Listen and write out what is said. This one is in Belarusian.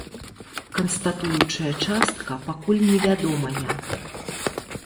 Канстатуючая частка пакуль невядомая.